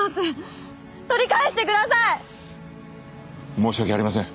申し訳ありません。